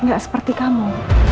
nggak seperti kamu